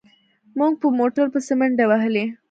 موږ په موټر پسې منډې وهلې.